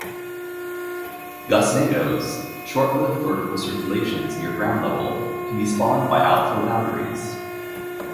"Gustnadoes", short-lived vertical circulations near ground level, can be spawned by outflow boundaries.